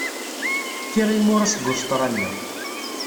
Kkiɣ imuras deg Ustṛalya.